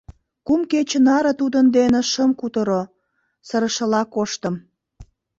Кум кече наре тудын дене шым кутыро, сырышыла коштым.